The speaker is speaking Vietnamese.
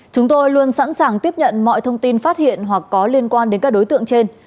chúng tôi luôn sẵn sàng tiếp nhận mọi thông tin phát hiện hoặc có liên quan đến các đối tượng trên